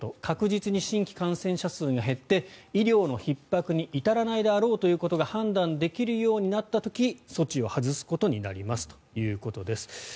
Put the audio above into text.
確実に新規感染者数が減って医療のひっ迫に至らないであろうということが判断できるようになった時措置を外すことになりますということです。